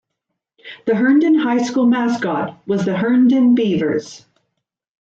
The Herndon High School mascot was Herndon Beavers.